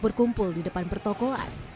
berkumpul di depan pertokoan